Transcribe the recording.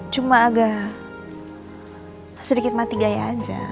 cuma agak sedikit mati gaya aja